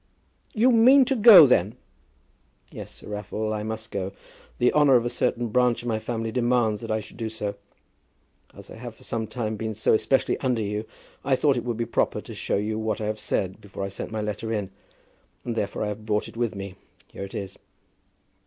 "You mean to go, then?" "Yes, Sir Raffle; I must go. The honour of a certain branch of my family demands that I should do so. As I have for some time been so especially under you, I thought it would be proper to show you what I have said before I send my letter in, and therefore I have brought it with me. Here it is."